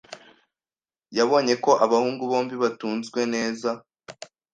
Yabonye ko abahungu bombi batunzwe neza.